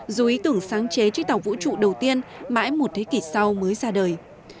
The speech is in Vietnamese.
dù ý tưởng sáng chế chiếc tàu vũ trụ đầu tiên mãi một thế kỷ sau mới ra đời